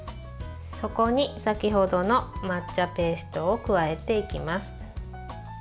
そこに先程の抹茶ペーストを加えていきます。